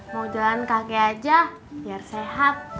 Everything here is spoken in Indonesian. mau jalan kaki aja biar sehat